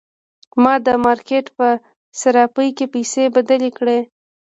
ما د مارکیټ په صرافۍ کې پیسې بدلې کړې.